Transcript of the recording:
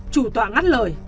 chủ tòa ngắt lời